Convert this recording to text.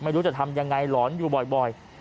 ไม่รู้จะทำยังไงหลอนอยู่บ่อย